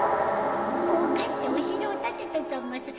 もうかってお城を建てたざます